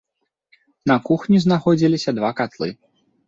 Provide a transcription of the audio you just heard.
На кухні знаходзіліся два катлы.